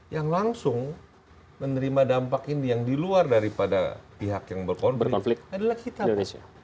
yang langsung menerima dampak ini yang di luar daripada pihak yang berkonflik adalah kita